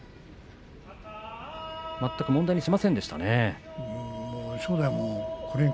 全く問題にしませんでしたね。